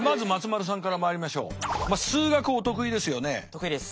得意です。